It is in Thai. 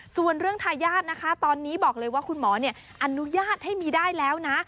ส่วนเรื่องทายาทนะคะตอนนี้บอกเลยว่าคุณหมออนุญาตให้มีได้แล้วนะ